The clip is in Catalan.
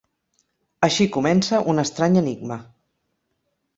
Així comença un estrany enigma.